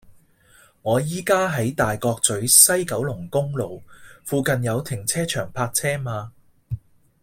我依家喺大角咀西九龍公路，附近有停車場泊車嗎